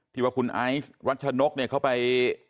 ที่ว่าคุณไอ้รัชนนกเนี้ยเขาไป